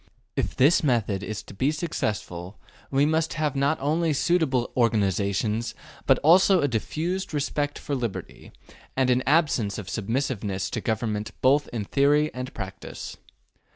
If this method is to be successful we must have not only suitable organizations but also a diffused respect for liberty, and an absence of submissiveness to government both in theory and practice.